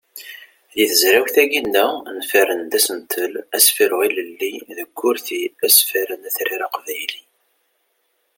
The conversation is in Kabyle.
Deg tezrawt-agi-nneɣ nefren-d asentel: asefru ilelli deg urti asefran atrar aqbayli.